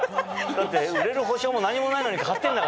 だって売れる保証も何もないのに買ってんだから。